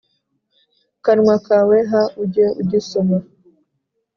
kanwa kawe h ujye ugisoma